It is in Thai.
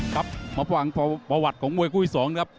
ครับมาฟังประวัติของมวยกุ้ย๒ครับ